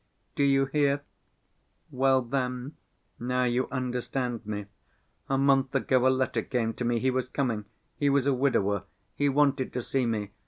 Do you hear? Well then, now you understand me. A month ago a letter came to me—he was coming, he was a widower, he wanted to see me.